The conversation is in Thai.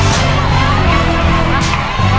สวัสดีครับ